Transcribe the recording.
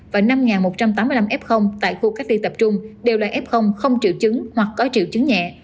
và năm một trăm tám mươi năm f tại khu cách ly tập trung đều là f không triệu chứng hoặc có triệu chứng nhẹ